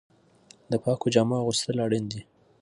د پاکو جامو اغوستل اړین دي.